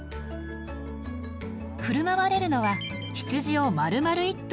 振る舞われるのはヒツジをまるまる１頭